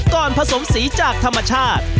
ผสมสีจากธรรมชาติ